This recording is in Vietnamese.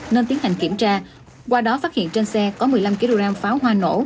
nên tiến hành kiểm tra qua đó phát hiện trên xe có một mươi năm kg pháo hoa nổ